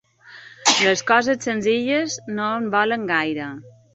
Les coses senzilles no en volen gaire.